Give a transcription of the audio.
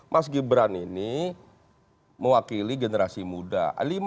mas gibran ini mewakili generasi muda